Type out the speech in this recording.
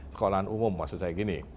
sekolahan umum maksud saya gini